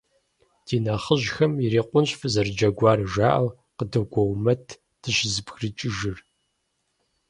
Ди нэхъыжьхэм, ирикъунщ фызэрыджэгуар, жаӀэу къыдэгуоумэт дыщызэбгрыкӀыжыр.